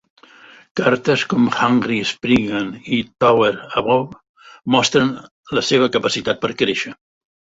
Cartes com Hungry Spriggan i Tower Above mostren la seva capacitat per créixer.